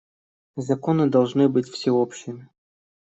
Законы должны быть всеобщими.